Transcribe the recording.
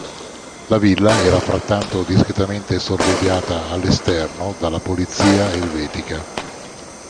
La villa era frattanto discretamente sorvegliata all'esterno dalla polizia elvetica.